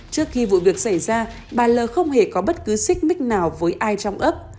trước khi vụ việc xảy ra bà l không hề có bất cứ xích mích nào với ai trong ấp